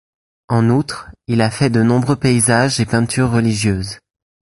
En outre, il a fait de nombreux paysages et peintures religieuses.